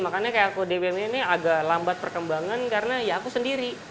makanya kayak aku dbm ini agak lambat perkembangan karena ya aku sendiri